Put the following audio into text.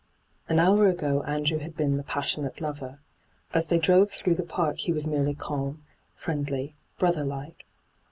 An hour ago Andrew bad been the pas sionate lover. As they drove through the park he was merely calm, friendly, brother like.